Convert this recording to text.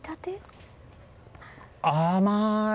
甘い！